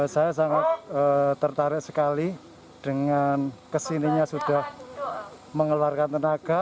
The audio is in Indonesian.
saya sangat tertarik sekali dengan kesininya sudah mengeluarkan tenaga